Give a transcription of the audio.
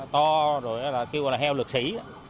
to rồi là kêu là heo lực sỉ